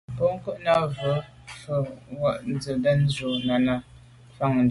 Bwɔ́ŋkə̂’ nɑ̂’ vwá’ nə̀ vwá’ vwɑ́’ dzwə́ zə̄ mɛ̂n shûn Náná ná’ fáŋə́.